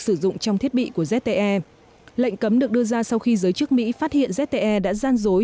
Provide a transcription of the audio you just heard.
sử dụng trong thiết bị của zte lệnh cấm được đưa ra sau khi giới chức mỹ phát hiện zte đã gian dối